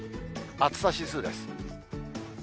暑さ指数です。